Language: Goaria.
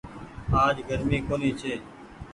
آج گرمي ڪونيٚ ڇي۔